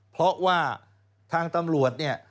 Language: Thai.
เพราะว่าทางตำรวจเนี่ย